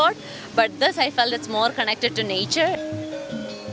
tapi ini saya merasa lebih terhubung dengan alam semesta